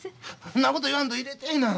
そんなこと言わんと入れてえな。